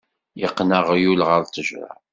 Iqqen aɣyul ɣer ttejra.